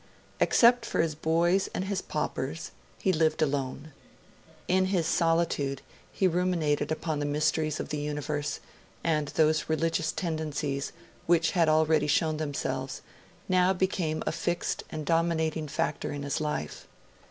Except for his boys and his paupers, he lived alone. In his solitude, he ruminated upon the mysteries of the universe; and those religious tendencies, which had already shown themselves, now became a fixed and dominating factor in his life.